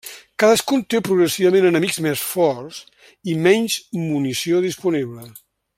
Cadascun té progressivament enemics més forts i menys munició disponible.